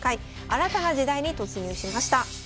新たな時代に突入しました。